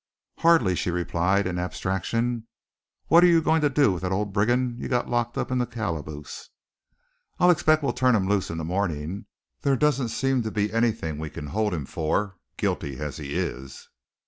"Hardly," she replied, in abstraction. "What are you going to do with that old brigand you've got locked in the calaboose?" "I expect we'll turn him loose in the morning. There doesn't seem to be anything we can hold him for, guilty as he is."